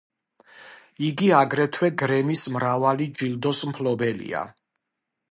იგი აგრეთვე გრემის მრავალი ჯილდოს მფლობელია.